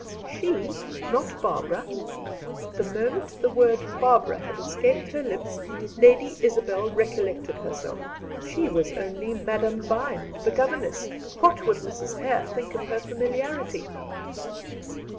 "She? Not Barbara?" The moment the word "Barbara" had escaped her lips, Lady Isabel, recollected herself. She was only Madame Vine, the governess; what would Mrs. Hare think of her familiarity?